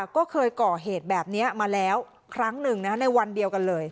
ก็เคยก่อเหตุแบบนี้มาแล้วครั้งหนึ่งในวันเดียวกันเลย